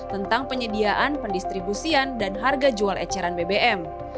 tentang penyediaan pendistribusian dan harga jual eceran bbm